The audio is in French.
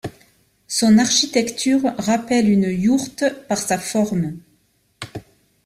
Son architecture rappelle une yourte par sa forme.